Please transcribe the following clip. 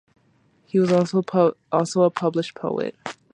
He was also a published poet.